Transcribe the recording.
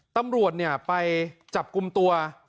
ตำรวจไปจับกลุ่มตัว